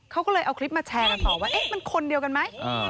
เขาก็เลยเอาคลิปมาแชร์กันต่อว่าเอ๊ะมันคนเดียวกันไหม